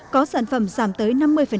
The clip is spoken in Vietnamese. có sản phẩm giảm tới năm mươi